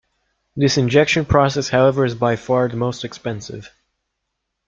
This injection process however is by far the most expensive.